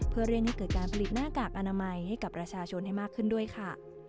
เพื่อเร่งให้เกิดการผลิตหน้ากากอนามัยให้กับประชาชนให้มากขึ้นด้วยค่ะ